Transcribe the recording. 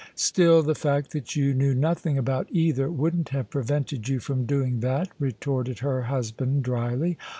" Still, the fact that you knew nothing about either wouldn't have prevented you from doing that," retorted her husband drily.